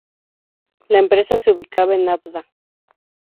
La Empresa se ubicaba en Avda.